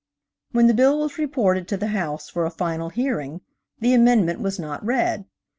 When the bill was reported to the house for a final hearing, the amendment was not read.